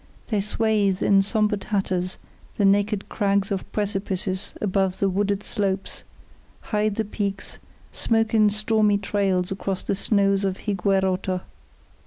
They swathe in sombre tatters the naked crags of precipices above the wooded slopes, hide the peaks, smoke in stormy trails across the snows of Higuerota.